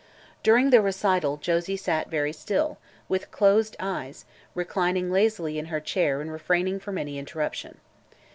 During the recital Josie sat very still, with closed eyes, reclining lazily in her chair and refraining from any interruption.